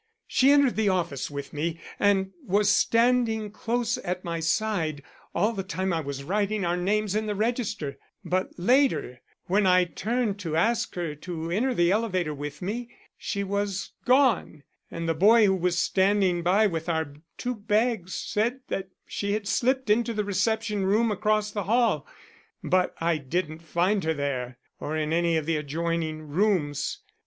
She entered the office with me and was standing close at my side all the time I was writing our names in the register; but later, when I turned to ask her to enter the elevator with me, she was gone, and the boy who was standing by with our two bags said that she had slipped into the reception room across the hall. But I didn't find her there or in any of the adjoining rooms.